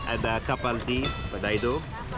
ada kapal di badaido